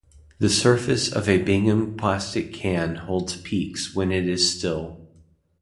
The surface of a Bingham plastic can hold peaks when it is still.